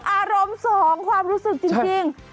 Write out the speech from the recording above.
อารมณ์สองความรู้สึกจริง